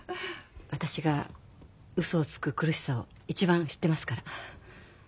私がウソをつく苦しさを一番知ってますから。